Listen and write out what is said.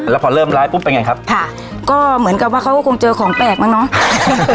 แล้วพอเริ่มร้ายปุ๊บเป็นไงครับค่ะก็เหมือนกับว่าเขาก็คงเจอของแปลกแล้วเนาะ